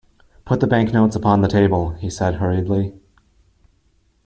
"Put the banknotes upon the table," he said hurriedly.